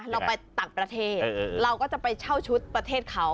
เราไปต่างประเทศเราก็จะไปเช่าชุดประเทศเขา